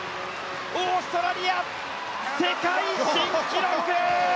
オーストラリア、世界新記録！